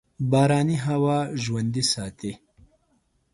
باراني هوا ژوندي ساتي.